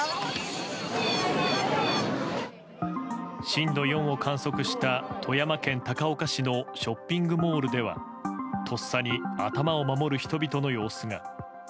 震度４を観測した富山県高岡市のショッピングモールではとっさに頭を守る人々の様子が。